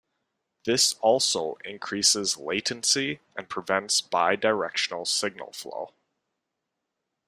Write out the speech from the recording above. This also increases latency and prevents bidirectional signal flow.